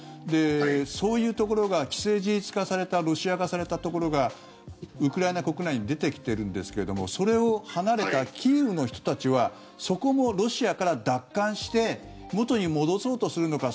そういうところが既成事実化されたロシア化されたところがウクライナ国内に出てきているんですけどもそれを、離れたキーウの人たちはそこもロシアから奪還して元に戻そうとするのか